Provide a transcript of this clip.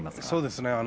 そうですね。